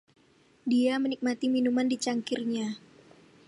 Dia menikmati minuman di cangkirnya.